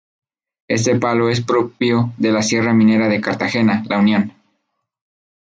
Este palo es propio de la Sierra minera de Cartagena-La Unión.